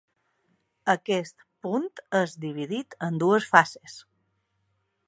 Aquest punt és dividit en dues fases.